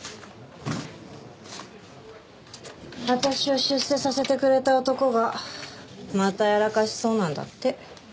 私を出世させてくれた男がまたやらかしそうなんだって。